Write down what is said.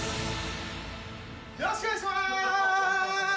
よろしくお願いします。